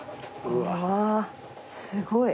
うわーすごい。